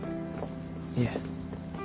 いえ。